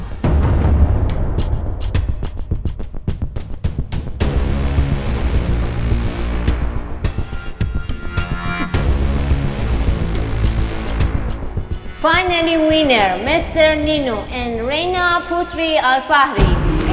akhirnya menangnya nino dan reina putri alfahri